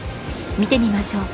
見てみましょう。